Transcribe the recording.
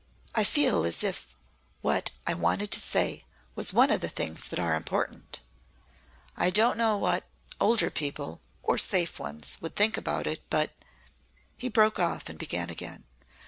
"I feel as if what I wanted to say was one of the things that are important. I don't know what older people or safe ones would think about it, but " He broke off and began again.